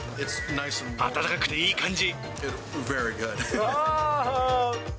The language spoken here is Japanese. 温かくていい感じ。